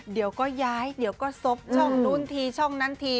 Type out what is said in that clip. เดี๋ยวก็ย้ายเดี๋ยวก็ซบช่องนู้นทีช่องนั้นที